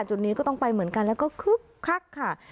จุดนี้ก็ต้องไปเหมือนกันแล้วก็คึกคักค่ะ